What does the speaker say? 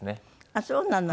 あっそうなの。